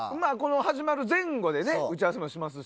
始まる前後で打ち合わせもしますし。